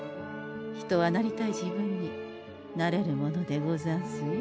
人はなりたい自分になれるものでござんすよ。